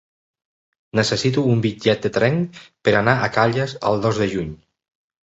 Necessito un bitllet de tren per anar a Calles el dos de juny.